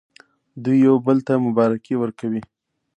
دوی یو بل ته مبارکي ورکوي.